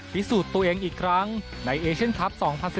พิสูจน์ตัวเองอีกครั้งในเอเชียนคลับ๒๐๑๙